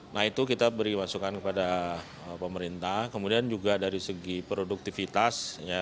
nah itu kita beri masukan kepada pemerintah kemudian juga dari segi produktivitas